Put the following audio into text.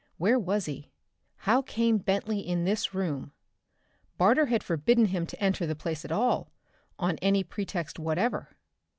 Where was he? How came Bentley in this room? Barter had forbidden him to enter the place at all, on any pretext whatever.